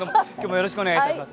よろしくお願いします。